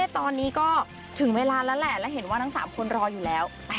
ตอนนี้ก็ถึงเวลาแล้วแหละแล้วเห็นว่าทั้ง๓คนรออยู่แล้ว